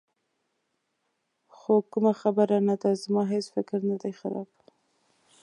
خو کومه خبره نه ده، زما هېڅ فکر نه دی خراب.